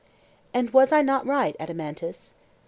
And was I not right, Adeimantus?